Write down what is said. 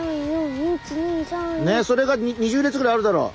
ねっそれが２０列ぐらいあるだろう。